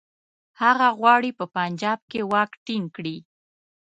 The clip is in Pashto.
هغه غواړي په پنجاب کې واک ټینګ کړي.